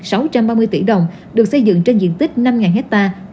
đầu tư ba trăm ba mươi sáu sáu trăm ba mươi tỷ đồng được xây dựng trên diện tích năm hectare